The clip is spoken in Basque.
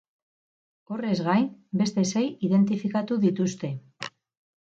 Horrez gain, beste sei identifikatu dituzte.